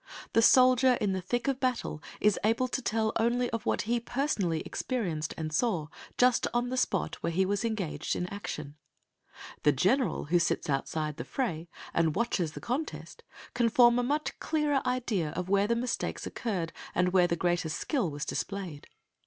The soldier in the thick of battle is able to tell only of what he personally experienced and saw, just in the spot where he was engaged in action. The general who sits outside the fray and watches the contest can form a much clearer idea of where the mistakes occurred, and where the greatest skill was displayed.